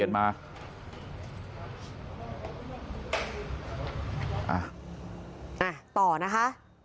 ต่อนะคะ